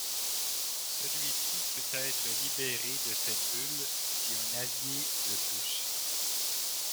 Celui-ci peut être libéré de cette bulle si un allié le touche.